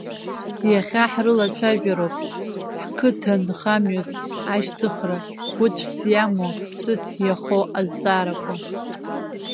Иахьа ҳрылацәажәароуп ҳқыҭанхамҩа ашьҭыхра гәыцәс иамоу, ԥсыс иахоу азҵаарақәа.